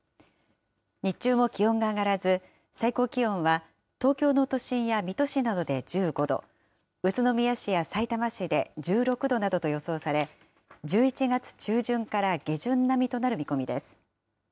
日中も気温が上がらず、最高気温は東京の都心や水戸市などで１５度、宇都宮市やさいたま市で１６度などと予想され、１１月中旬から下旬並みとなる見込みです。